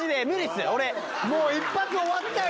もう一発終わったよ。